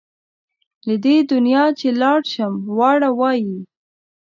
له دې دنیا چې لاړ شم واړه وایي.